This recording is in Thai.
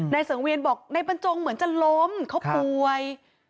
สังเวียนบอกนายบรรจงเหมือนจะล้มเขาป่วย